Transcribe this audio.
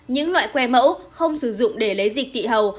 những loại que mẫu không sử dụng để lấy dịch tị hầu